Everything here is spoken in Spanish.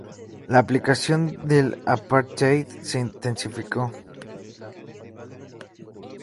La aplicación del apartheid se intensificó.